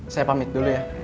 saya pamit dulu ya